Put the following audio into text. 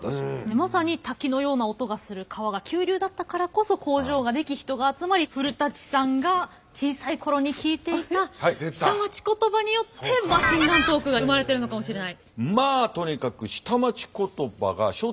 まさに滝のような音がする川が急流だったからこそ工場が出来人が集まり古さんが小さい頃に聞いていた下町言葉によってマシンガントークが生まれてるのかもしれない。